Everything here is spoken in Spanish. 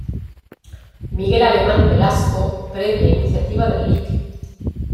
Miguel Alemán Velasco, previa iniciativa del Lic.